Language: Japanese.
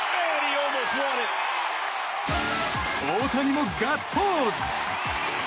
大谷もガッツポーズ！